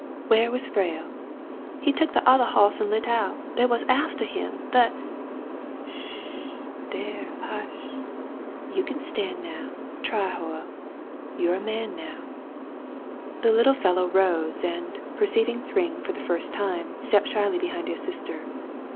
"Where was Frale.?" "He took the othah ho'se and lit out. They was aftah him. They —" "S sh. There, hush ! You can stand now; try, Hoyle. You are a man now." The little fellow rose, and, perceiving Thryng for the first time, stepped shyly behind his sister.